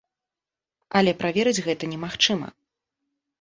Але праверыць гэта немагчыма.